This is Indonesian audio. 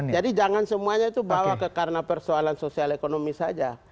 jadi jangan semuanya itu bawa ke karena persoalan sosial ekonomi saja